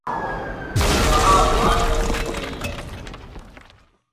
او گاها مال نَي ڏيَ رئي هيَ۔